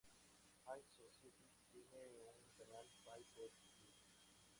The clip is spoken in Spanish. High Society tiene un canal pay per view.